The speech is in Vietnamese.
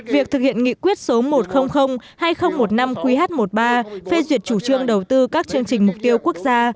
việc thực hiện nghị quyết số một trăm linh hai nghìn một mươi năm qh một mươi ba phê duyệt chủ trương đầu tư các chương trình mục tiêu quốc gia